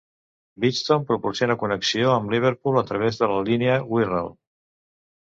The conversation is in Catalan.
Bidston proporciona connexió amb Liverpool a través de la línia Wirral.